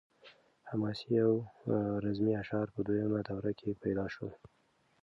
حماسي او رزمي اشعار په دویمه دوره کې پیدا شول.